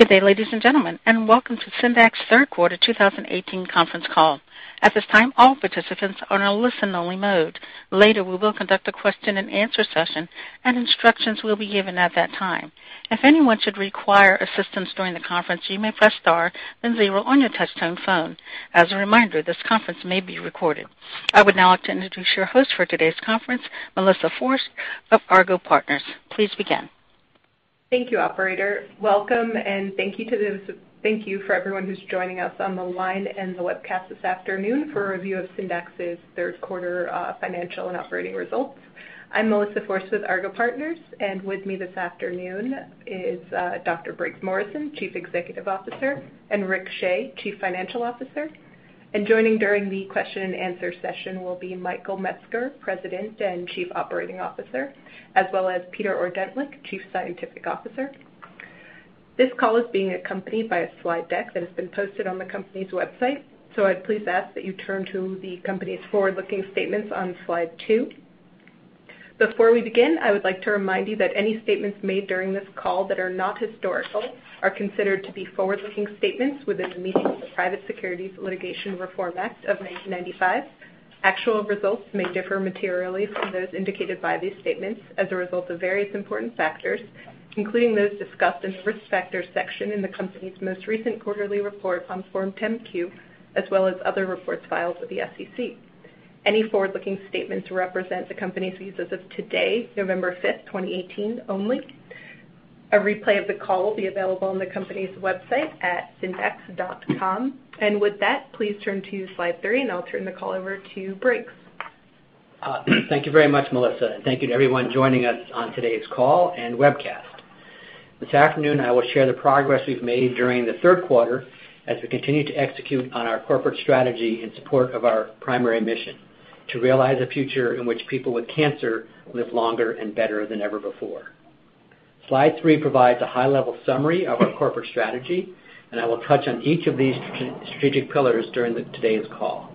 Good day, ladies and gentlemen, welcome to Syndax third quarter 2018 conference call. At this time, all participants are in a listen-only mode. Later, we will conduct a question-and-answer session, and instructions will be given at that time. If anyone should require assistance during the conference, you may press star then zero on your touchtone phone. As a reminder, this conference may be recorded. I would now like to introduce your host for today's conference, Melissa Forst of Argot Partners. Please begin. Thank you, operator. Welcome, thank you for everyone who's joining us on the line and the webcast this afternoon for a review of Syndax's third quarter financial and operating results. I'm Melissa Force with Argot Partners, and with me this afternoon is Dr. Briggs Morrison, Chief Executive Officer, and Rick Shea, Chief Financial Officer. Joining during the question-and-answer session will be Michael Metzger, President and Chief Operating Officer, as well as Peter Ordentlich, Chief Scientific Officer. This call is being accompanied by a slide deck that has been posted on the company's website. I'd please ask that you turn to the company's forward-looking statements on slide two. Before we begin, I would like to remind you that any statements made during this call that are not historical are considered to be forward-looking statements within the meaning of the Private Securities Litigation Reform Act of 1995. Actual results may differ materially from those indicated by these statements as a result of various important factors, including those discussed in the Risk Factors section in the company's most recent quarterly report on Form 10-Q, as well as other reports filed with the SEC. Any forward-looking statements represent the company's views as of today, November fifth, 2018 only. A replay of the call will be available on the company's website at syndax.com. With that, please turn to slide three, I'll turn the call over to Briggs. Thank you very much, Melissa. Thank you to everyone joining us on today's call and webcast. This afternoon, I will share the progress we've made during the third quarter as we continue to execute on our corporate strategy in support of our primary mission, to realize a future in which people with cancer live longer and better than ever before. Slide three provides a high-level summary of our corporate strategy, I will touch on each of these strategic pillars during today's call.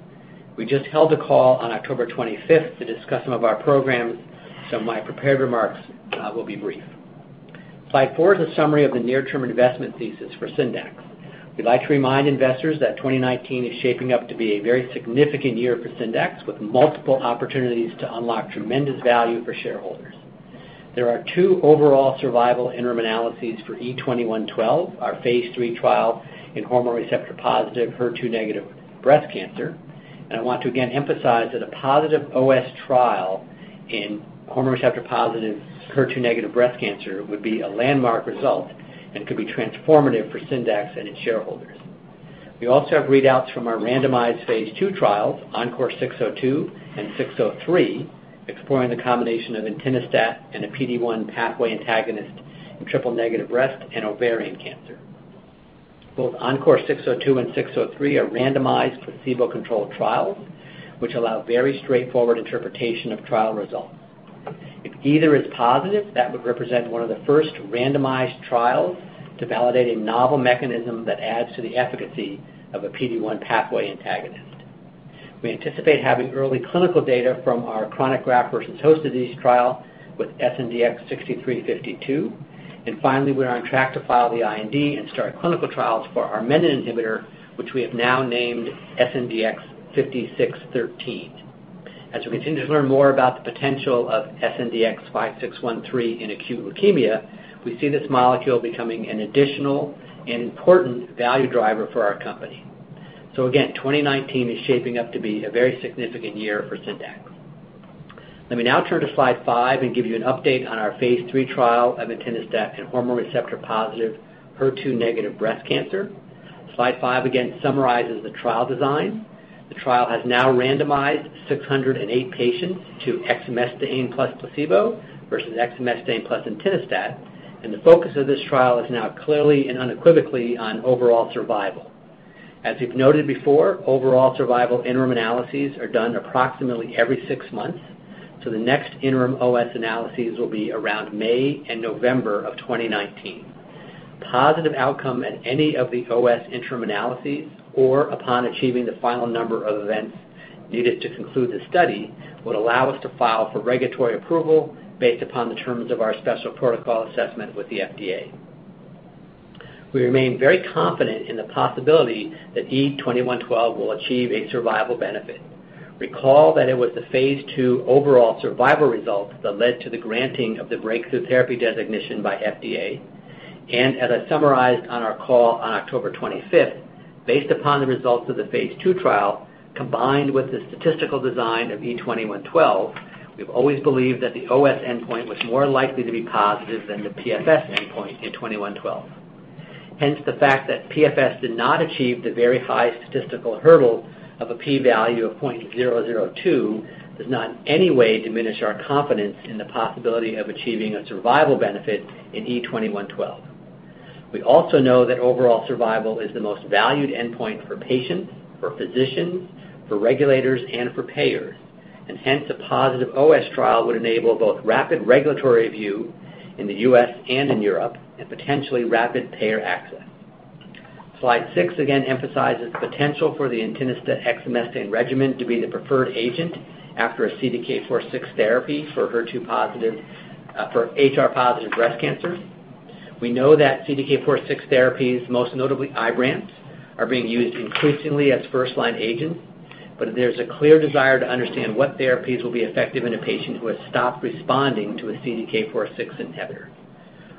We just held a call on October 25th to discuss some of our programs, my prepared remarks will be brief. Slide four is a summary of the near-term investment thesis for Syndax. We'd like to remind investors that 2019 is shaping up to be a very significant year for Syndax, with multiple opportunities to unlock tremendous value for shareholders. There are two overall survival interim analyses for E2112, our phase III trial in hormone receptor-positive, HER2-negative breast cancer. I want to again emphasize that a positive OS trial in hormone receptor-positive, HER2-negative breast cancer would be a landmark result and could be transformative for Syndax and its shareholders. We also have readouts from our randomized phase II trials, ENCORE 602 and 603, exploring the combination of entinostat and a PD-1 pathway antagonist in triple-negative breast and ovarian cancer. Both ENCORE 602 and 603 are randomized placebo-controlled trials, which allow very straightforward interpretation of trial results. If either is positive, that would represent one of the first randomized trials to validate a novel mechanism that adds to the efficacy of a PD-1 pathway antagonist. We anticipate having early clinical data from our chronic graft-versus-host disease trial with SNDX-6352. Finally, we're on track to file the IND and start clinical trials for our Menin inhibitor, which we have now named SNDX-5613. As we continue to learn more about the potential of SNDX-5613 in acute leukemia, we see this molecule becoming an additional and important value driver for our company. Again, 2019 is shaping up to be a very significant year for Syndax. Let me now turn to slide five and give you an update on our phase III trial of entinostat in hormone receptor-positive, HER2-negative breast cancer. Slide five again summarizes the trial design. The trial has now randomized 608 patients to exemestane plus placebo versus exemestane plus entinostat, the focus of this trial is now clearly and unequivocally on overall survival. As we've noted before, overall survival interim analyses are done approximately every six months, the next interim OS analyses will be around May and November of 2019. Positive outcome at any of the OS interim analyses or upon achieving the final number of events needed to conclude the study would allow us to file for regulatory approval based upon the terms of our special protocol assessment with the FDA. We remain very confident in the possibility that E2112 will achieve a survival benefit. Recall that it was the phase II overall survival results that led to the granting of the breakthrough therapy designation by FDA. As I summarized on our call on October 25th, based upon the results of the phase II trial, combined with the statistical design of E2112, we've always believed that the OS endpoint was more likely to be positive than the PFS endpoint in 2112. The fact that PFS did not achieve the very high statistical hurdle of a P value of .002 does not in any way diminish our confidence in the possibility of achieving a survival benefit in E2112. We also know that overall survival is the most valued endpoint for patients, for physicians, for regulators, and for payers, a positive OS trial would enable both rapid regulatory review in the U.S. and in Europe, and potentially rapid payer access. Slide six again emphasizes potential for the entinostat/exemestane regimen to be the preferred agent after a CDK4/6 therapy for HR-positive breast cancer. We know that CDK4/6 therapies, most notably IBRANCE, are being used increasingly as first-line agents. There's a clear desire to understand what therapies will be effective in a patient who has stopped responding to a CDK4/6 inhibitor.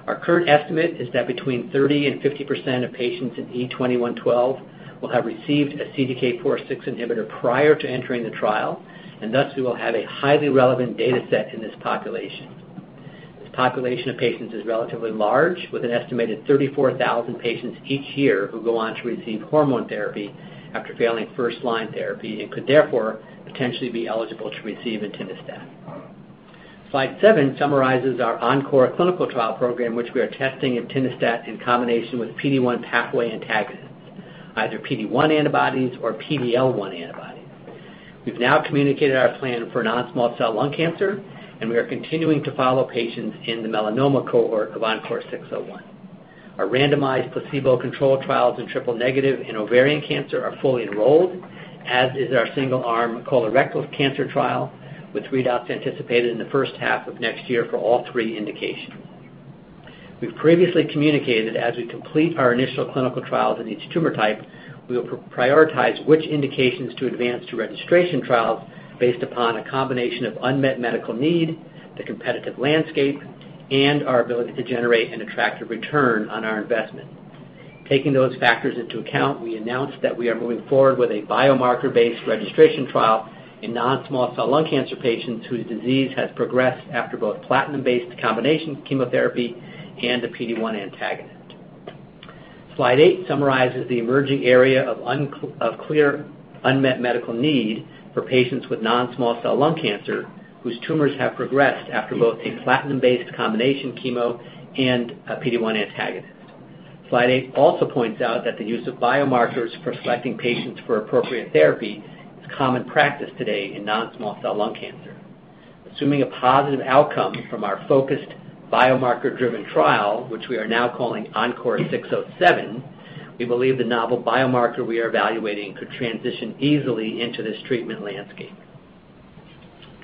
Our current estimate is that between 30%-50% of patients in E2112 will have received a CDK4/6 inhibitor prior to entering the trial, and thus we will have a highly relevant data set in this population. This population of patients is relatively large, with an estimated 34,000 patients each year who go on to receive hormone therapy after failing first-line therapy and could therefore potentially be eligible to receive entinostat. Slide seven summarizes our ENCORE clinical trial program, which we are testing entinostat in combination with PD-1 pathway antagonists, either PD-1 antibodies or PD-L1 antibodies. We've now communicated our plan for non-small cell lung cancer. We are continuing to follow patients in the melanoma cohort of ENCORE 601. Our randomized placebo-controlled trials in triple-negative and ovarian cancer are fully enrolled, as is our single-arm colorectal cancer trial, with readouts anticipated in the first half of next year for all three indications. We've previously communicated as we complete our initial clinical trials in each tumor type, we will prioritize which indications to advance to registration trials based upon a combination of unmet medical need, the competitive landscape, and our ability to generate an attractive return on our investment. Taking those factors into account, we announced that we are moving forward with a biomarker-based registration trial in non-small cell lung cancer patients whose disease has progressed after both platinum-based combination chemotherapy and a PD-1 antagonist. Slide eight summarizes the emerging area of clear unmet medical need for patients with non-small cell lung cancer whose tumors have progressed after both a platinum-based combination chemo and a PD-1 antagonist. Slide eight also points out that the use of biomarkers for selecting patients for appropriate therapy is common practice today in non-small cell lung cancer. Assuming a positive outcome from our focused biomarker-driven trial, which we are now calling ENCORE 607, we believe the novel biomarker we are evaluating could transition easily into this treatment landscape.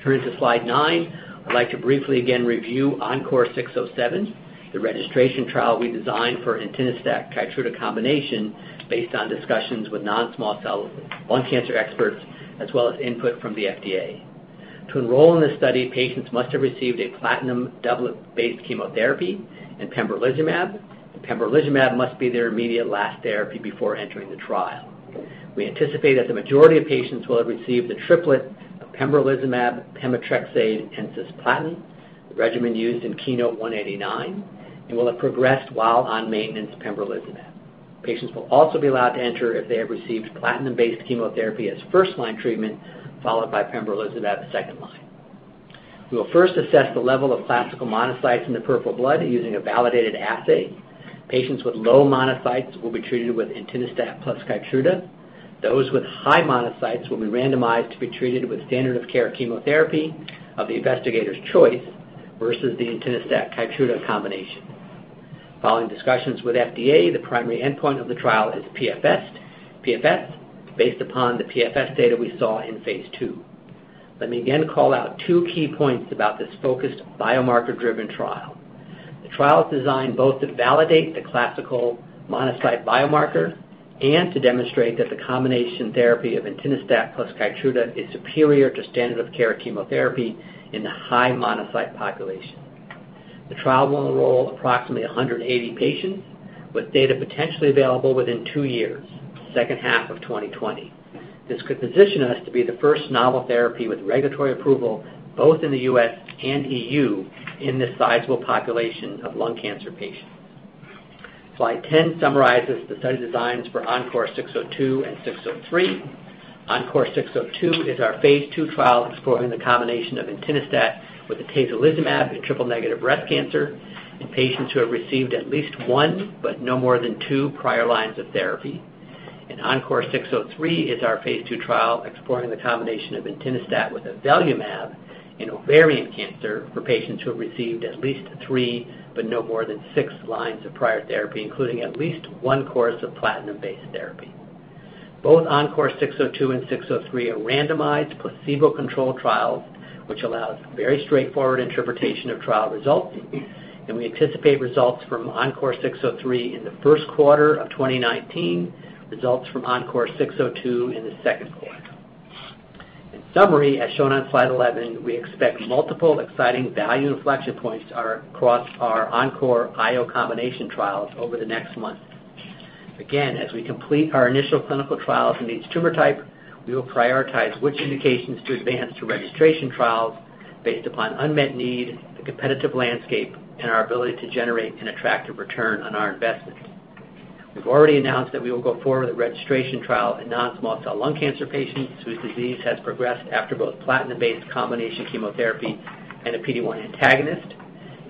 Turning to slide nine, I'd like to briefly again review ENCORE 607, the registration trial we designed for entinostat/KEYTRUDA combination based on discussions with non-small cell lung cancer experts, as well as input from the FDA. To enroll in this study, patients must have received a platinum-doublet-based chemotherapy and pembrolizumab. The pembrolizumab must be their immediate last therapy before entering the trial. We anticipate that the majority of patients will have received the triplet of pembrolizumab, pemetrexed, and cisplatin, the regimen used in KEYNOTE-189, and will have progressed while on maintenance pembrolizumab. Patients will also be allowed to enter if they have received platinum-based chemotherapy as first-line treatment, followed by pembrolizumab second-line. We will first assess the level of classical monocytes in the peripheral blood using a validated assay. Patients with low monocytes will be treated with entinostat plus KEYTRUDA. Those with high monocytes will be randomized to be treated with standard of care chemotherapy of the investigator's choice versus the entinostat/KEYTRUDA combination. Following discussions with FDA, the primary endpoint of the trial is PFS based upon the PFS data we saw in phase II. Let me again call out two key points about this focused biomarker-driven trial. The trial is designed both to validate the classical monocyte biomarker and to demonstrate that the combination therapy of entinostat plus KEYTRUDA is superior to standard of care chemotherapy in the high monocyte population. The trial will enroll approximately 180 patients with data potentially available within two years, second half of 2020. This could position us to be the first novel therapy with regulatory approval both in the U.S. and EU in this sizable population of lung cancer patients. Slide 10 summarizes the study designs for ENCORE 602 and 603. ENCORE 602 is our phase II trial exploring the combination of entinostat with atezolizumab in triple-negative breast cancer in patients who have received at least one but no more than two prior lines of therapy. ENCORE 603 is our phase II trial exploring the combination of entinostat with avelumab in ovarian cancer for patients who have received at least three but no more than six lines of prior therapy including at least one course of platinum-based therapy. Both ENCORE 602 and 603 are randomized placebo-controlled trials, which allows very straightforward interpretation of trial results, and we anticipate results from ENCORE 603 in the first quarter of 2019, results from ENCORE 602 in the second quarter. In summary, as shown on slide 11, we expect multiple exciting value inflection points across our ENCORE IO combination trials over the next months. Again, as we complete our initial clinical trials in each tumor type, we will prioritize which indications to advance to registration trials based upon unmet need, the competitive landscape, and our ability to generate an attractive return on our investment. We've already announced that we will go forward with a registration trial in non-small cell lung cancer patients whose disease has progressed after both platinum-based combination chemotherapy and a PD-1 antagonist.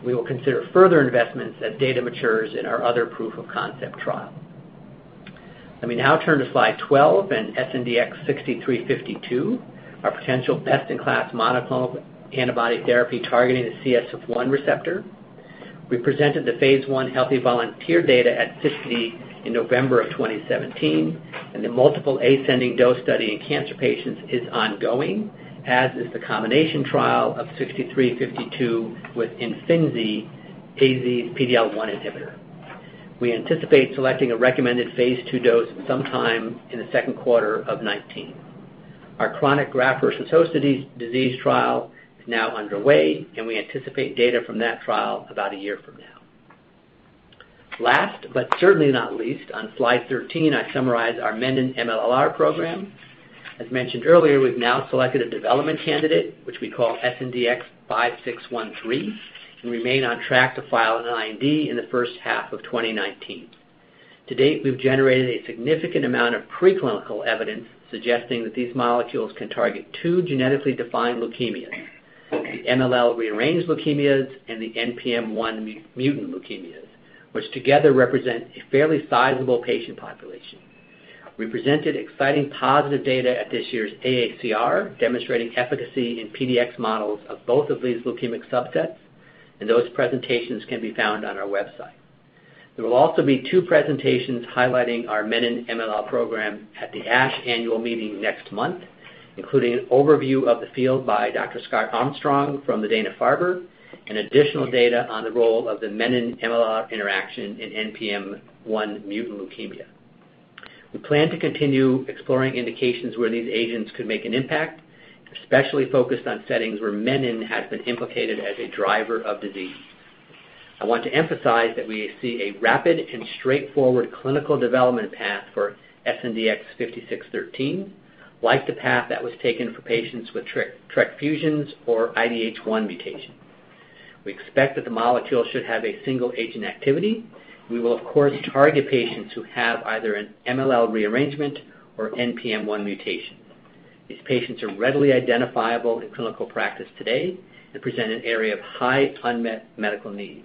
We will consider further investments as data matures in our other proof of concept trial. Let me now turn to slide 12 and SNDX-6352, our potential best-in-class monoclonal antibody therapy targeting the CSF1 receptor. We presented the Phase I healthy volunteer data at 50 in November of 2017, and the multiple ascending dose study in cancer patients is ongoing, as is the combination trial of SNDX-6352 with IMFINZI, a PD-L1 inhibitor. We anticipate selecting a recommended Phase II dose sometime in the second quarter of 2019. Our chronic graft versus host disease trial is now underway, and we anticipate data from that trial about a year from now. Last, but certainly not least, on slide 13, I summarize our Menin-MLL program. As mentioned earlier, we've now selected a development candidate, which we call SNDX-5613, and remain on track to file an IND in the first half of 2019. To date, we've generated a significant amount of preclinical evidence suggesting that these molecules can target two genetically defined leukemias, the MLL rearranged leukemias and the NPM1 mutant leukemias, which together represent a fairly sizable patient population. We presented exciting positive data at this year's AACR, demonstrating efficacy in PDX models of both of these leukemic subsets, and those presentations can be found on our website. There will also be two presentations highlighting our Menin-MLL program at the ASH annual meeting next month, including an overview of the field by Dr. Scott Armstrong from the Dana-Farber, and additional data on the role of the Menin-MLL interaction in NPM1 mutant leukemia. We plan to continue exploring indications where these agents could make an impact, especially focused on settings where Menin has been implicated as a driver of disease. I want to emphasize that we see a rapid and straightforward clinical development path for SNDX-5613, like the path that was taken for patients with TRK fusions or IDH1 mutation. We expect that the molecule should have a single agent activity. We will, of course, target patients who have either an MLL rearrangement or NPM1 mutation. These patients are readily identifiable in clinical practice today and present an area of high unmet medical need.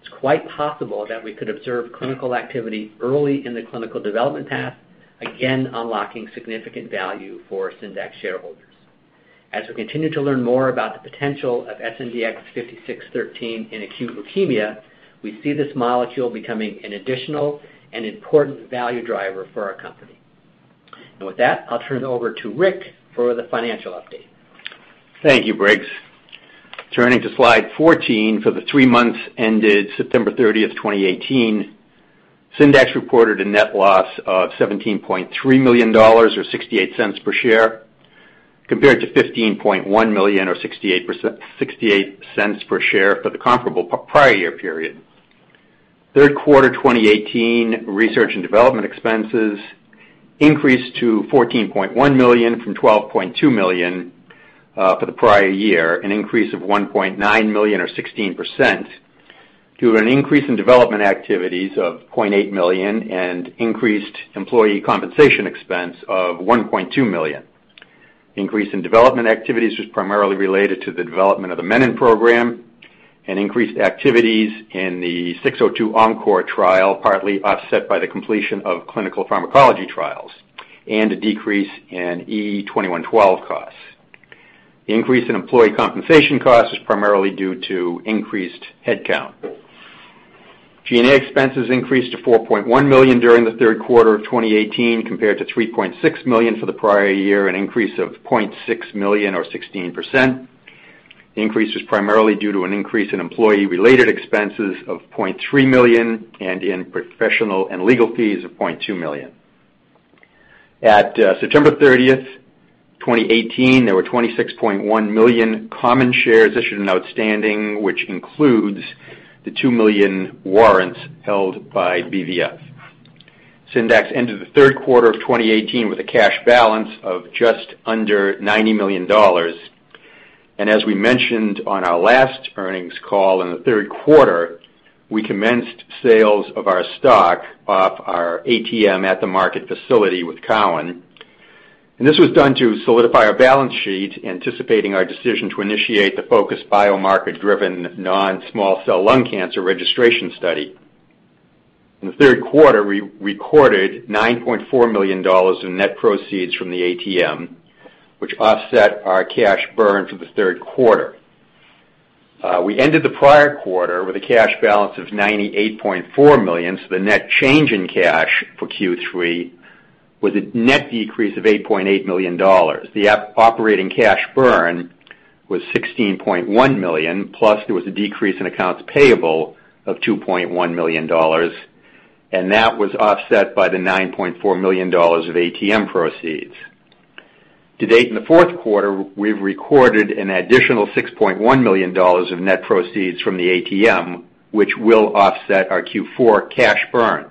It's quite possible that we could observe clinical activity early in the clinical development path, again, unlocking significant value for Syndax shareholders. As we continue to learn more about the potential of SNDX-5613 in acute leukemia, we see this molecule becoming an additional and important value driver for our company. With that, I'll turn it over to Rick for the financial update. Thank you, Briggs. Turning to slide 14, for the three months ended September 30, 2018, Syndax reported a net loss of $17.3 million or $0.68 per share, compared to $15.1 million or $0.68 per share for the comparable prior year period. Third quarter 2018 research and development expenses increased to $14.1 million from $12.2 million for the prior year, an increase of $1.9 million or 16%, due to an increase in development activities of $0.8 million and increased employee compensation expense of $1.2 million. The increase in development activities was primarily related to the development of the Menin program and increased activities in the ENCORE 602 trial, partly offset by the completion of clinical pharmacology trials and a decrease in E2112 costs. The increase in employee compensation costs is primarily due to increased headcount. G&A expenses increased to $4.1 million during the third quarter of 2018, compared to $3.6 million for the prior year, an increase of $0.6 million or 16%. The increase was primarily due to an increase in employee-related expenses of $0.3 million and in professional and legal fees of $0.2 million. At September 30, 2018, there were 26.1 million common shares issued and outstanding, which includes the 2 million warrants held by BVF. Syndax ended the third quarter of 2018 with a cash balance of just under $90 million. As we mentioned on our last earnings call, in the third quarter, we commenced sales of our stock off our ATM at-the-market facility with Cowen. This was done to solidify our balance sheet, anticipating our decision to initiate the focused biomarker-driven non-small cell lung cancer registration study. In the third quarter, we recorded $9.4 million in net proceeds from the ATM, which offset our cash burn for the third quarter. We ended the prior quarter with a cash balance of $98.4 million. The net change in cash for Q3 was a net decrease of $8.8 million. The operating cash burn was $16.1 million, plus there was a decrease in accounts payable of $2.1 million, that was offset by the $9.4 million of ATM proceeds. To date, in the fourth quarter, we've recorded an additional $6.1 million of net proceeds from the ATM, which will offset our Q4 cash burn.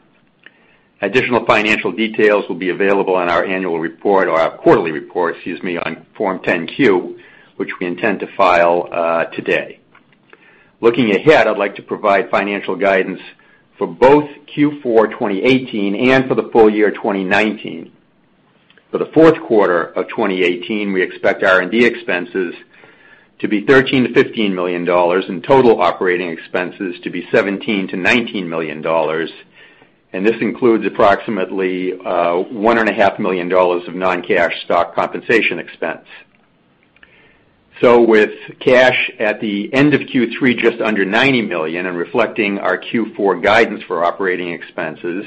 Additional financial details will be available in our annual report or our quarterly report, excuse me, on Form 10-Q, which we intend to file today. Looking ahead, I'd like to provide financial guidance for both Q4 2018 and for the full year 2019. For the fourth quarter of 2018, we expect R&D expenses to be $13 million-$15 million and total operating expenses to be $17 million-$19 million. This includes approximately $1.5 million of non-cash stock compensation expense. With cash at the end of Q3, just under $90 million, and reflecting our Q4 guidance for operating expenses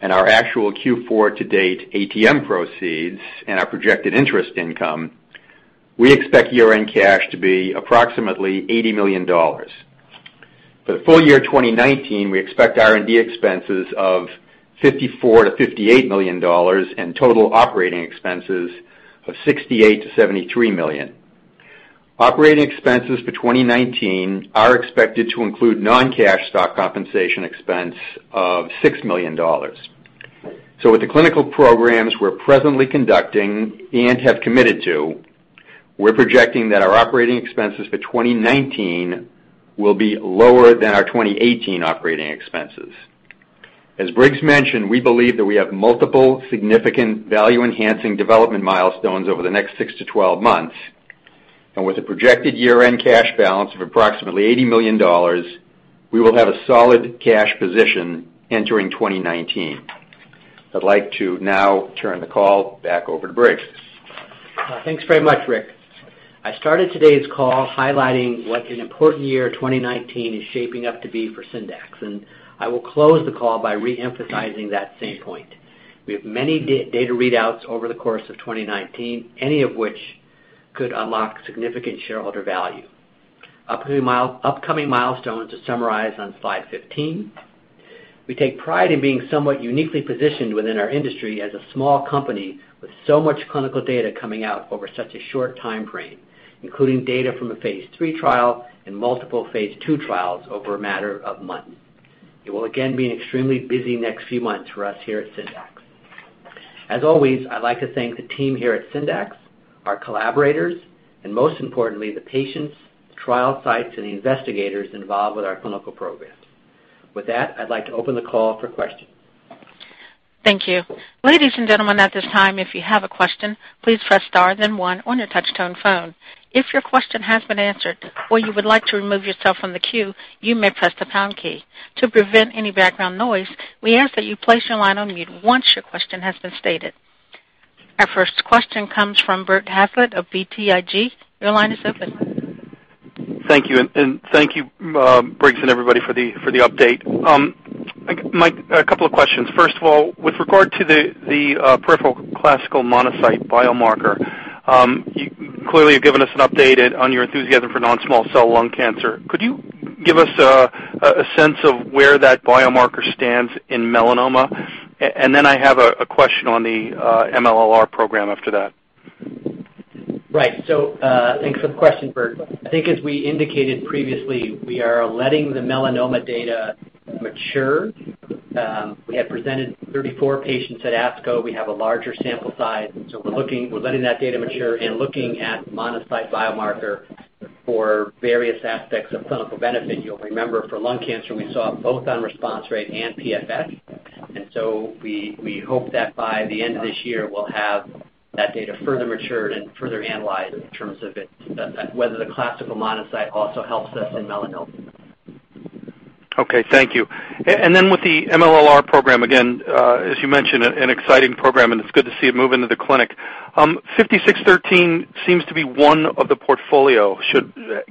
and our actual Q4-to-date ATM proceeds and our projected interest income, we expect year-end cash to be approximately $80 million. For the full year 2019, we expect R&D expenses of $54 million-$58 million and total operating expenses of $68 million-$73 million. Operating expenses for 2019 are expected to include non-cash stock compensation expense of $6 million. With the clinical programs we're presently conducting and have committed to, we're projecting that our operating expenses for 2019 will be lower than our 2018 operating expenses. As Briggs mentioned, we believe that we have multiple significant value-enhancing development milestones over the next six to 12 months. With a projected year-end cash balance of approximately $80 million, we will have a solid cash position entering 2019. I'd like to now turn the call back over to Briggs. Thanks very much, Rick. I started today's call highlighting what an important year 2019 is shaping up to be for Syndax, I will close the call by re-emphasizing that same point. We have many data readouts over the course of 2019, any of which could unlock significant shareholder value. Upcoming milestones are summarized on slide 15. We take pride in being somewhat uniquely positioned within our industry as a small company with so much clinical data coming out over such a short time frame, including data from a phase III trial and multiple phase II trials over a matter of months. It will again be an extremely busy next few months for us here at Syndax. As always, I'd like to thank the team here at Syndax, our collaborators, and most importantly, the patients, trial sites, and the investigators involved with our clinical programs. With that, I'd like to open the call for questions. Thank you. Ladies and gentlemen, at this time, if you have a question, please press star then one on your touchtone phone. If your question has been answered or you would like to remove yourself from the queue, you may press the pound key. To prevent any background noise, we ask that you place your line on mute once your question has been stated. Our first question comes from Bert Hazlett of BTIG. Your line is open. Thank you, and thank you, Briggs, and everybody, for the update. Mike, a couple of questions. First of all, with regard to the peripheral classical monocyte biomarker, you clearly have given us an update on your enthusiasm for non-small cell lung cancer. Could you give us a sense of where that biomarker stands in melanoma? Then I have a question on the MLL program after that. Right. Thanks for the question, Bert. I think as we indicated previously, we are letting the melanoma data mature. We have presented 34 patients at ASCO. We have a larger sample size, so we're letting that data mature and looking at monocyte biomarker for various aspects of clinical benefit. You'll remember for lung cancer, we saw both on response rate and PFS. We hope that by the end of this year, we'll have that data further matured and further analyzed in terms of whether the classical monocyte also helps us in melanoma. Okay, thank you. With the MLL program, again, as you mentioned, an exciting program, and it is good to see it move into the clinic. SNDX-5613 seems to be one of the portfolio.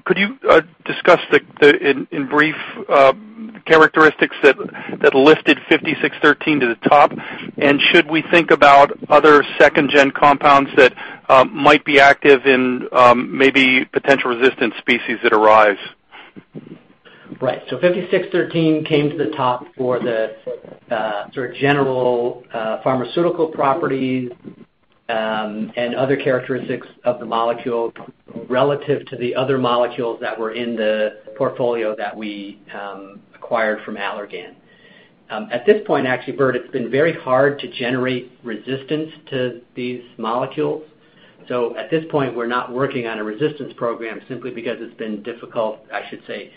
Could you discuss in brief characteristics that lifted SNDX-5613 to the top? Should we think about other second-gen compounds that might be active in maybe potential resistant species that arise? Right. SNDX-5613 came to the top for the general pharmaceutical properties and other characteristics of the molecule relative to the other molecules that were in the portfolio that we acquired from Allergan. At this point, actually, Bert, it has been very hard to generate resistance to these molecules. At this point, we are not working on a resistance program simply because it has been difficult, I should say,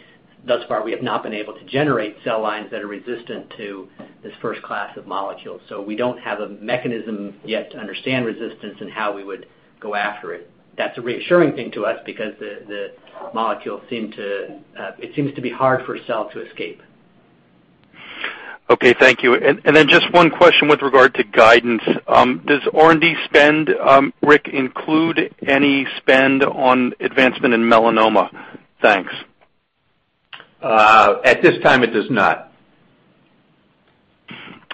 thus far, we have not been able to generate cell lines that are resistant to this first class of molecules. We do not have a mechanism yet to understand resistance and how we would go after it. That is a reassuring thing to us because the molecule, it seems to be hard for a cell to escape. Okay, thank you. Just one question with regard to guidance. Does R&D spend, Rick, include any spend on advancement in melanoma? Thanks. At this time, it does not.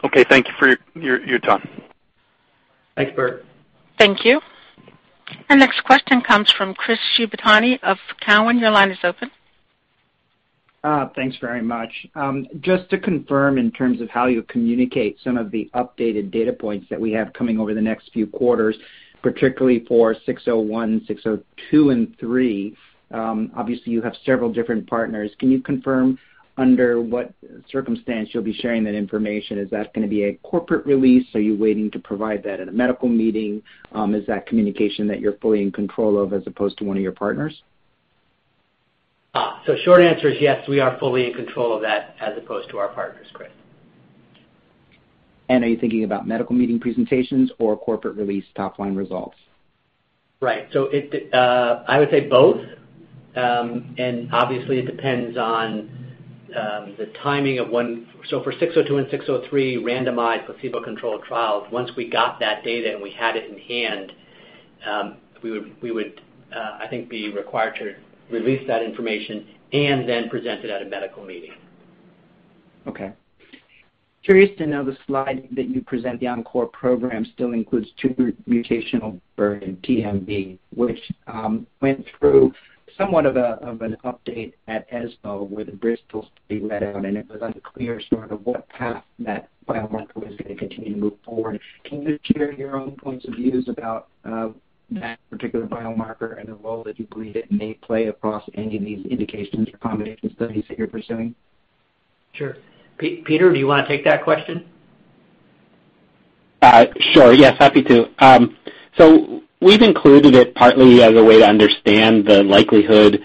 Okay, thank you for your time. Thanks, Bert. Thank you. Our next question comes from Chris Shibutani of Cowen. Your line is open. Thanks very much. Just to confirm in terms of how you communicate some of the updated data points that we have coming over the next few quarters, particularly for 601, 602, and 3. Obviously, you have several different partners. Can you confirm under what circumstance you'll be sharing that information? Is that going to be a corporate release? Are you waiting to provide that at a medical meeting? Is that communication that you're fully in control of as opposed to one of your partners? Short answer is yes, we are fully in control of that as opposed to our partners, Chris. Are you thinking about medical meeting presentations or corporate release top-line results? Right. I would say both, and obviously it depends on the timing of one. For 602 and 603 randomized placebo-controlled trials, once we got that data and we had it in hand, we would, I think, be required to release that information and then present it at a medical meeting. Okay. Curious to know, the slide that you present, the ENCORE program still includes two mutational burden, TMB, which went through somewhat of an update at ESMO with Bristol study let out, and it was unclear sort of what path that biomarker was going to continue to move forward. Can you share your own points of views about that particular biomarker and the role that you believe it may play across any of these indications or combination studies that you're pursuing? Sure. Peter, do you want to take that question? Sure. Yes, happy to. We've included it partly as a way to understand the likelihood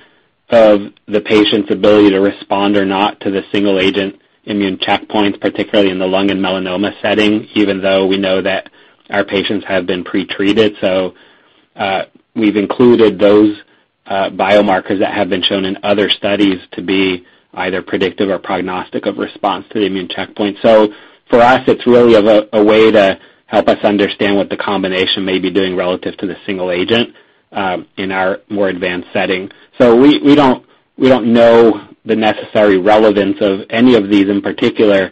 of the patient's ability to respond or not to the single agent immune checkpoint, particularly in the lung and melanoma setting, even though we know that our patients have been pre-treated. We've included those biomarkers that have been shown in other studies to be either predictive or prognostic of response to the immune checkpoint. For us, it's really a way to help us understand what the combination may be doing relative to the single agent, in our more advanced setting. We don't know the necessary relevance of any of these in particular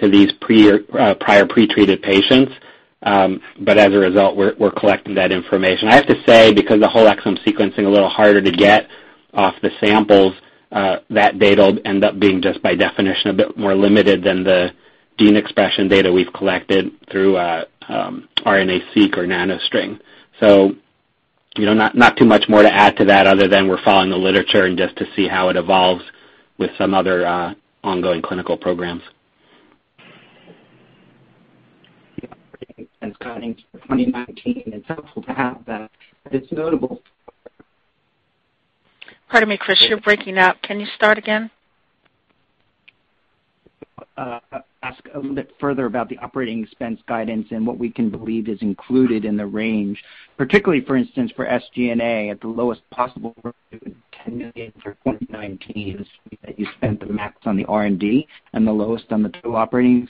to these prior pre-treated patients. As a result, we're collecting that information. I have to say, because the whole exome sequencing a little harder to get off the samples, that data will end up being just by definition, a bit more limited than the gene expression data we've collected through RNA-Seq or NanoString. Not too much more to add to that other than we're following the literature and just to see how it evolves with some other ongoing clinical programs. 2019. It's helpful to have that, it's notable- Pardon me, Chris, you're breaking up. Can you start again? Ask a little bit further about the operating expense guidance and what we can believe is included in the range, particularly, for instance, for SG&A at the lowest possible revenue, $10 million for 2019, that you spent the max on the R&D and the lowest on the two operating.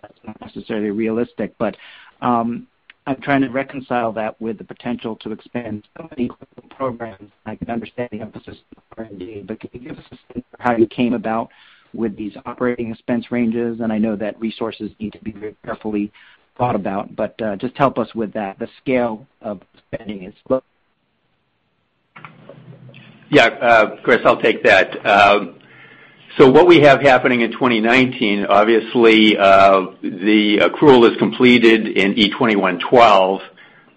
That's not necessarily realistic, but I'm trying to reconcile that with the potential to expand so many clinical programs. I can understand the emphasis on R&D, but can you give us a sense for how you came about with these operating expense ranges? I know that resources need to be very carefully thought about, but just help us with that, the scale of spending is low. Chris, I'll take that. What we have happening in 2019, obviously, the accrual is completed in E2112,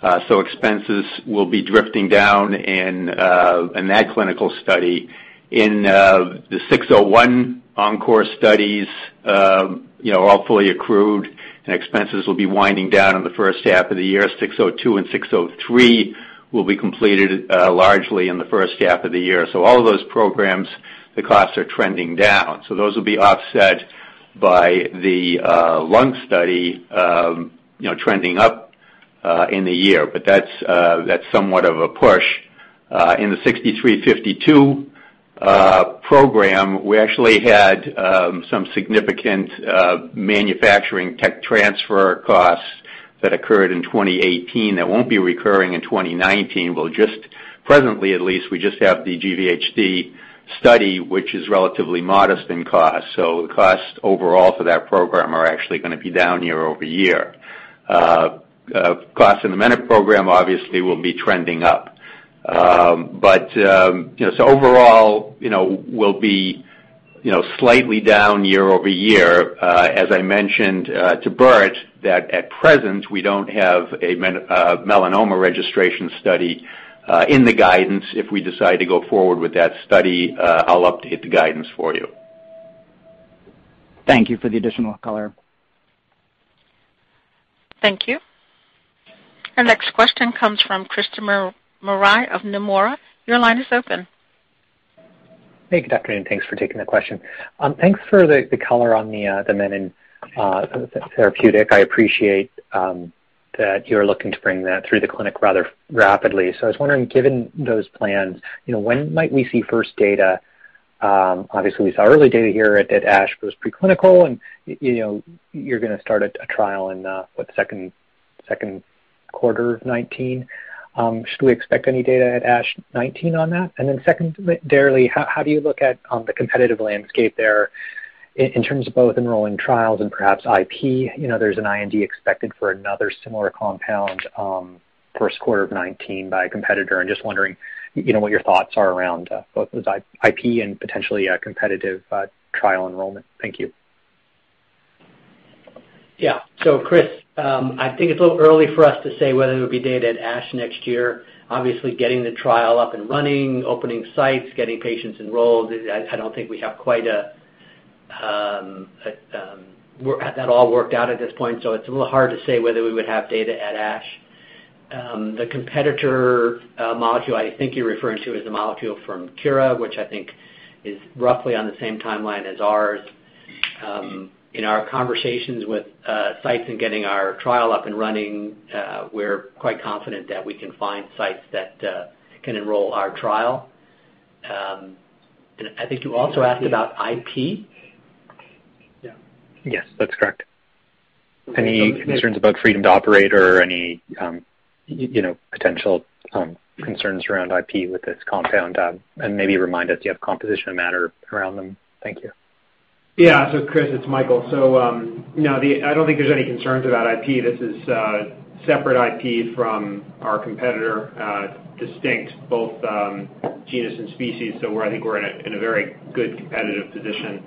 expenses will be drifting down in that clinical study. In the 601 ENCORE studies, all fully accrued, expenses will be winding down in the first half of the year. 602 and 603 will be completed largely in the first half of the year. All of those programs, the costs are trending down. Those will be offset by the lung study trending up in the year. That's somewhat of a push. In the 6352 program, we actually had some significant manufacturing tech transfer costs that occurred in 2018 that won't be recurring in 2019. Presently at least, we just have the GVHD study, which is relatively modest in cost. The cost overall for that program are actually going to be down year-over-year. Cost in the Menin program obviously will be trending up. Overall, we'll be slightly down year-over-year. As I mentioned to Bert, that at present, we don't have a melanoma registration study in the guidance. If we decide to go forward with that study, I'll update the guidance for you. Thank you for the additional color. Thank you. Our next question comes from Christopher Marai of Nomura. Your line is open. Hey, good afternoon. Thanks for taking the question. Thanks for the color on the Menin therapeutic. I appreciate that you're looking to bring that through the clinic rather rapidly. I was wondering, given those plans, when might we see first data? Obviously, we saw early data here at ASH was preclinical, and you're going to start a trial in, what, second quarter of 2019. Should we expect any data at ASH 2019 on that? Secondarily, how do you look at the competitive landscape there in terms of both enrolling trials and perhaps IP? There's an IND expected for another similar compound first quarter of 2019 by a competitor, and just wondering what your thoughts are around both the IP and potentially competitive trial enrollment. Thank you. Yeah. Chris, I think it's a little early for us to say whether it would be data at ASH next year. Obviously, getting the trial up and running, opening sites, getting patients enrolled, I don't think we have quite that all worked out at this point, so it's a little hard to say whether we would have data at ASH. The competitor molecule I think you're referring to is the molecule from Kura, which I think is roughly on the same timeline as ours. In our conversations with sites in getting our trial up and running, we're quite confident that we can find sites that can enroll our trial. I think you also asked about IP? Yeah. Yes, that's correct. Any concerns about freedom to operate or any potential concerns around IP with this compound? Maybe remind us, do you have composition of matter around them? Thank you. Chris, it's Michael. I don't think there's any concerns about IP. This is separate IP from our competitor, distinct both genus and species. I think we're in a very good competitive position.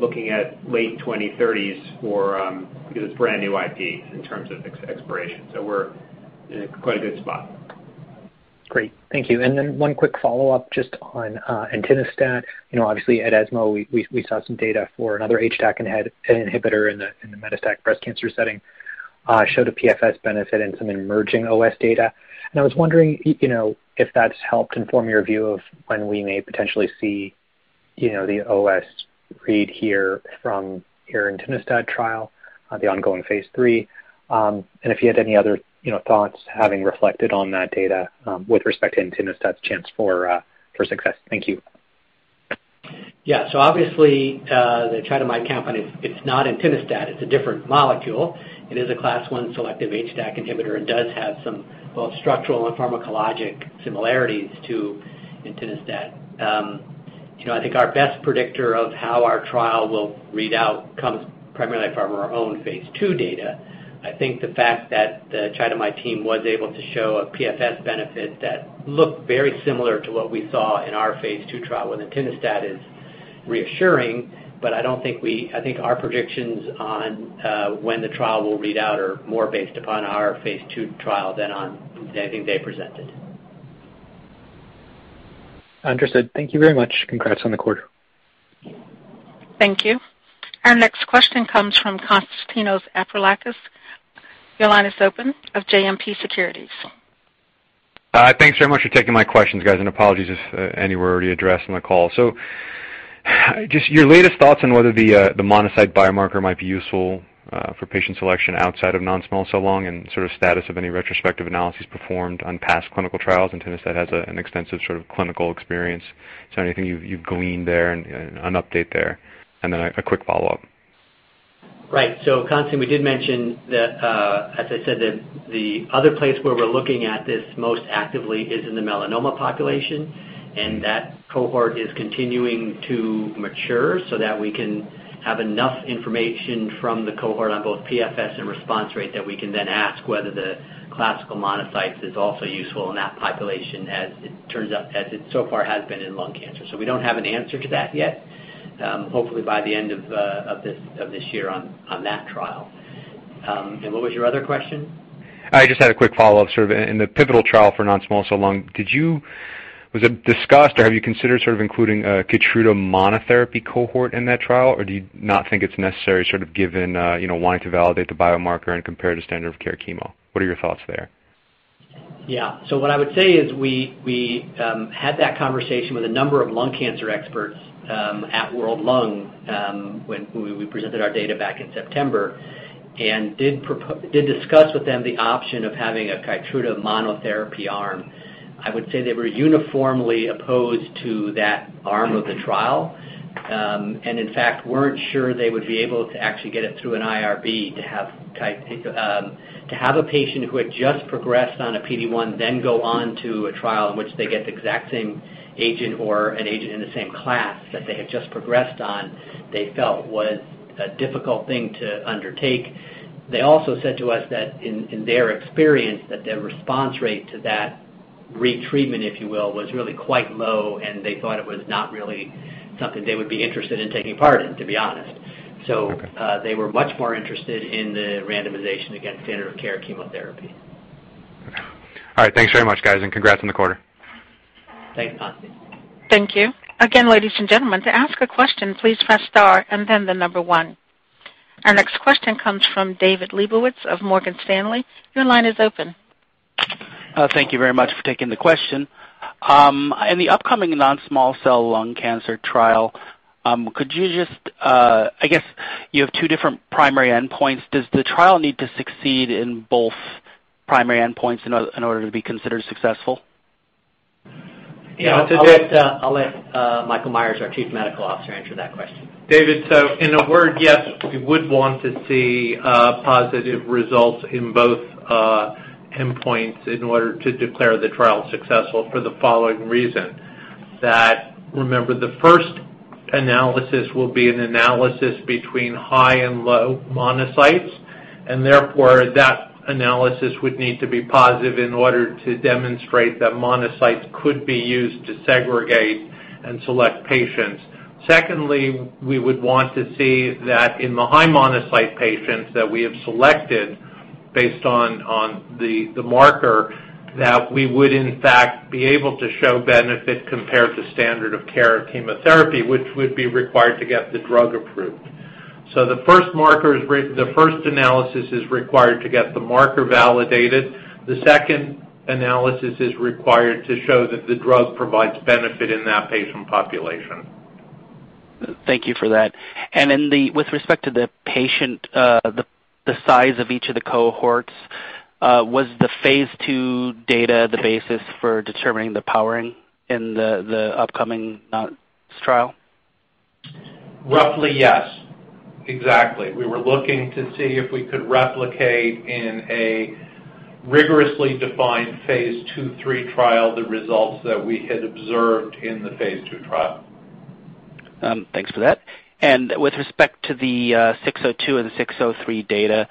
Looking at late 2030s because it's brand new IP in terms of expiration, we're in quite a good spot. Great. Thank you. Then one quick follow-up just on entinostat. Obviously, at ESMO, we saw some data for another HDAC inhibitor in the metastatic breast cancer setting, showed a PFS benefit and some emerging OS data. I was wondering if that's helped inform your view of when we may potentially see the OS read here from your entinostat trial, the ongoing phase III. If you had any other thoughts having reflected on that data, with respect to entinostat's chance for success. Thank you. Obviously, the chidamide compound, it's not entinostat. It's a different molecule. It is a class 1 selective HDAC inhibitor and does have some both structural and pharmacologic similarities to entinostat. I think our best predictor of how our trial will read out comes primarily from our own phase II data. I think the fact that the chidamide team was able to show a PFS benefit that looked very similar to what we saw in our phase II trial with entinostat is reassuring, I think our predictions on when the trial will read out are more based upon our phase II trial than on anything they presented. Understood. Thank you very much. Congrats on the quarter. Thank you. Our next question comes from Konstantinos Aprilakis. Your line is open of JMP Securities. Thanks very much for taking my questions, guys. Apologies if any were already addressed on the call. Just your latest thoughts on whether the monocyte biomarker might be useful for patient selection outside of non-small cell lung and status of any retrospective analyses performed on past clinical trials. Entinostat has an extensive clinical experience. Anything you've gleaned there and an update there? Then a quick follow-up. Right. Konstantinos, we did mention that, as I said, the other place where we're looking at this most actively is in the melanoma population, that cohort is continuing to mature so that we can have enough information from the cohort on both PFS and response rate that we can then ask whether the classical monocytes is also useful in that population, as it so far has been in lung cancer. We don't have an answer to that yet. Hopefully by the end of this year on that trial. What was your other question? I just had a quick follow-up. In the pivotal trial for non-small cell lung, was it discussed or have you considered including a KEYTRUDA monotherapy cohort in that trial, or do you not think it's necessary given wanting to validate the biomarker and compare to standard of care chemo? What are your thoughts there? Yeah. What I would say is we had that conversation with a number of lung cancer experts at World Lung, when we presented our data back in September, did discuss with them the option of having a KEYTRUDA monotherapy arm. I would say they were uniformly opposed to that arm of the trial. In fact, weren't sure they would be able to actually get it through an IRB to have a patient who had just progressed on a PD-1 then go on to a trial in which they get the exact same agent or an agent in the same class that they had just progressed on, they felt was a difficult thing to undertake. They also said to us that in their experience, that their response rate to that retreatment, if you will, was really quite low, they thought it was not really something they would be interested in taking part in, to be honest. Okay. They were much more interested in the randomization against standard of care chemotherapy. All right, thanks very much, guys, and congrats on the quarter. Thanks, Konstantinos. Thank you. Again, ladies and gentlemen, to ask a question, please press star and then the number one. Our next question comes from David Lebowitz of Morgan Stanley. Your line is open. Thank you very much for taking the question. In the upcoming non-small cell lung cancer trial, I guess you have two different primary endpoints. Does the trial need to succeed in both primary endpoints in order to be considered successful? Yeah. I'll let Michael Metzger, our Chief Medical Officer, answer that question. David, in a word, yes, we would want to see positive results in both endpoints in order to declare the trial successful for the following reason. Remember, the first analysis will be an analysis between high and low monocytes, and therefore that analysis would need to be positive in order to demonstrate that monocytes could be used to segregate and select patients. Secondly, we would want to see that in the high monocyte patients that we have selected based on the marker, that we would in fact be able to show benefit compared to standard of care chemotherapy, which would be required to get the drug approved. The first analysis is required to get the marker validated. The second analysis is required to show that the drug provides benefit in that patient population. Thank you for that. With respect to the patient, the size of each of the cohorts, was the phase II data the basis for determining the powering in the upcoming trial? Roughly, yes. Exactly. We were looking to see if we could replicate in a rigorously defined phase II, III trial the results that we had observed in the phase II trial. Thanks for that. With respect to the 602 and the 603 data,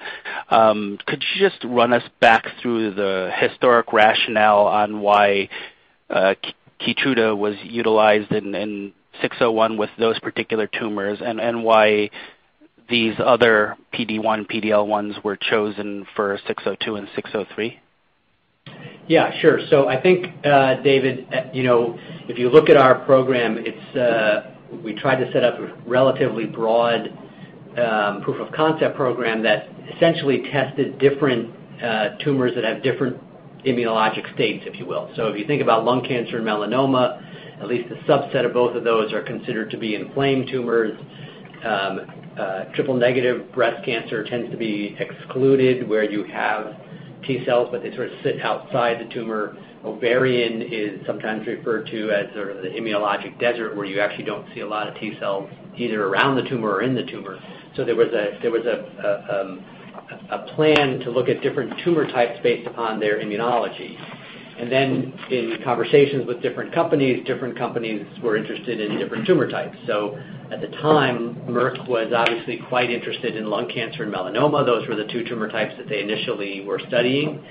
could you just run us back through the historic rationale on why KEYTRUDA was utilized in 601 with those particular tumors, and why these other PD-1, PD-L1s were chosen for 602 and 603? Yeah, sure. I think, David, if you look at our program, we tried to set up a relatively broad proof of concept program that essentially tested different tumors that have different immunologic states, if you will. If you think about lung cancer and melanoma, at least a subset of both of those are considered to be inflamed tumors. Triple negative breast cancer tends to be excluded where you have T cells, but they sort of sit outside the tumor. Ovarian is sometimes referred to as sort of the immunologic desert, where you actually don't see a lot of T cells either around the tumor or in the tumor. There was a plan to look at different tumor types based upon their immunology. Then in conversations with different companies, different companies were interested in different tumor types. At the time, Merck was obviously quite interested in lung cancer and melanoma. Those were the two tumor types that they initially were studying.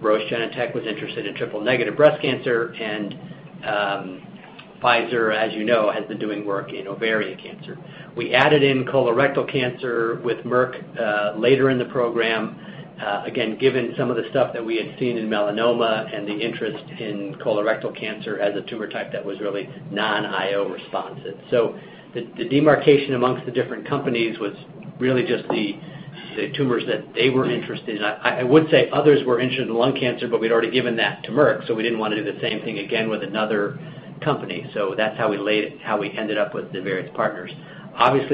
Roche Genentech was interested in triple-negative breast cancer. Pfizer, as you know, has been doing work in ovarian cancer. We added in colorectal cancer with Merck later in the program. Again, given some of the stuff that we had seen in melanoma and the interest in colorectal cancer as a tumor type that was really non-IO responsive. The demarcation amongst the different companies was really just the tumors that they were interested in. I would say others were interested in lung cancer, but we'd already given that to Merck, so we didn't want to do the same thing again with another company. That's how we ended up with the various partners. They've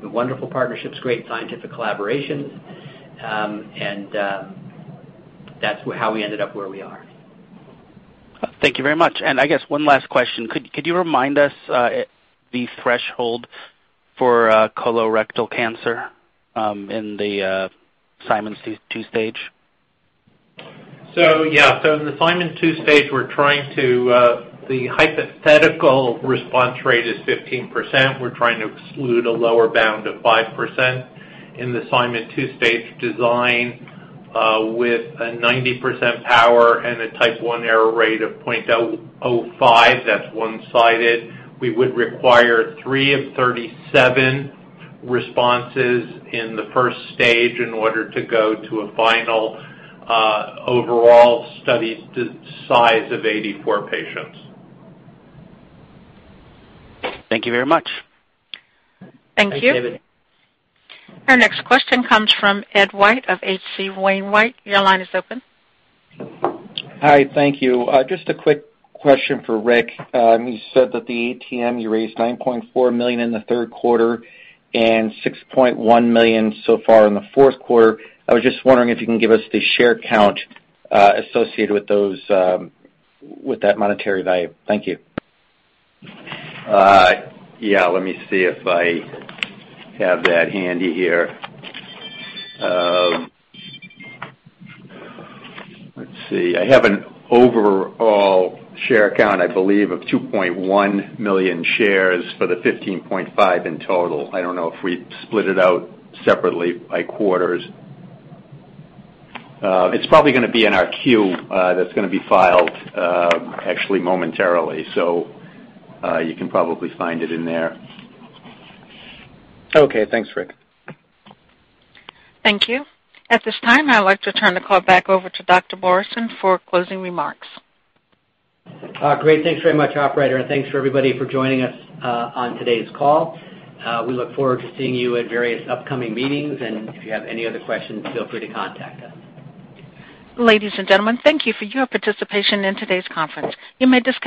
been wonderful partnerships, great scientific collaborations, that's how we ended up where we are. Thank you very much. I guess one last question. Could you remind us the threshold for colorectal cancer in the Simon two-stage stage? Yeah. In the Simon two-stage stage, the hypothetical response rate is 15%. We're trying to exclude a lower bound of 5% in the Simon two-stage stage design with a 90% power and a type 1 error rate of 0.05. That's one-sided. We would require three of 37 responses in the first stage in order to go to a final overall study size of 84 patients. Thank you very much. Thank you. Thanks, David. Our next question comes from Ed White of H.C. Wainwright. Your line is open. Hi, thank you. Just a quick question for Rick. You said that the ATM, you raised $9.4 million in the third quarter and $6.1 million so far in the fourth quarter. I was just wondering if you can give us the share count associated with that monetary value. Thank you. Yeah, let me see if I have that handy here. Let's see. I have an overall share count, I believe, of 2.1 million shares for the $15.5 million in total. I don't know if we split it out separately by quarters. It's probably going to be in our 10-Q that's going to be filed actually momentarily, so you can probably find it in there. Okay, thanks, Rick. Thank you. At this time, I'd like to turn the call back over to Dr. Morrison for closing remarks. Great. Thanks very much, operator, and thanks for everybody for joining us on today's call. We look forward to seeing you at various upcoming meetings, and if you have any other questions, feel free to contact us. Ladies and gentlemen, thank you for your participation in today's conference. You may disconnect.